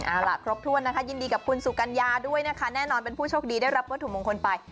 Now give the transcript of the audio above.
เอาล่ะครบถ้วนนะคะยินดีกับคุณสุกัญญาด้วยนะคะแน่นอนเป็นผู้โชคดีได้รับวัตถุมงคลไป